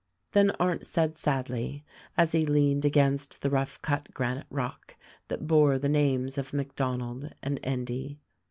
Then Arndt said sadly, as he leaned against the rough cut granite rock that bore the names of MacDonald and Endy.